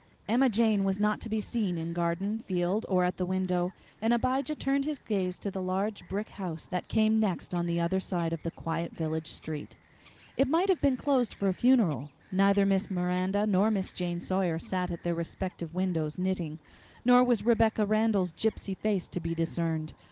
Emma Jane was not to be seen in garden, field, or at the window, and Abijah turned his gaze to the large brick house that came next on the other side of the quiet village street. It might have been closed for a funeral. Neither Miss Miranda nor Miss Jane Sawyer sat at their respective windows knitting, nor was Rebecca Randall's gypsy face to be discerned.